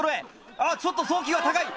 あちょっと送球が高い！